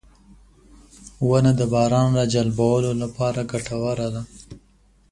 • ونه د باران راجلبولو لپاره ګټوره ده.